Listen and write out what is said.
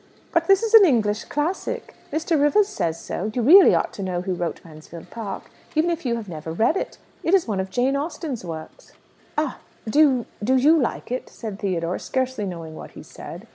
"But this is an English classic! Mr. Rivers says so. You really ought to know who wrote 'Mansfield Park,' even if you have never read it. It is one of Jane Austen's works." "Ah! Do you do you like it?" said Theodore, scarcely knowing what he said.